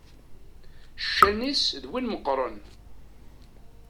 Ccan-is d win meqqren.